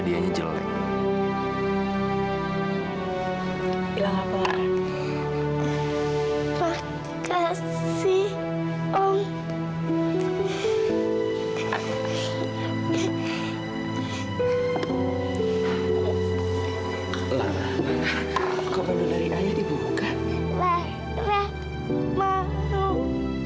saya bakal pergi dulu